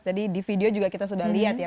jadi di video juga kita sudah lihat ya